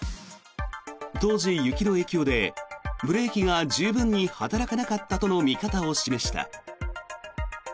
当時、雪の影響でブレーキが十分に働かなかったとの見方を示した。